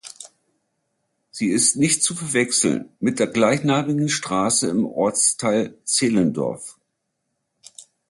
Sie ist nicht zu verwechseln mit der gleichnamigen Straße im Ortsteil Zehlendorf.